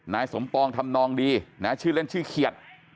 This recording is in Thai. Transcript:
นายสมปองทำนองดีนะชื่อเล่นชื่อเขียด